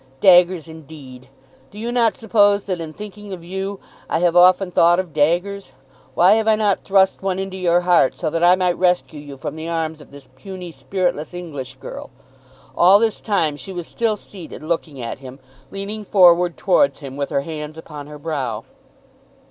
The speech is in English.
Daggers, indeed! Do you not suppose that in thinking of you I have often thought of daggers? Why have I not thrust one into your heart, so that I might rescue you from the arms of this puny, spiritless English girl?" All this time she was still seated, looking at him, leaning forward towards him with her hands upon her brow.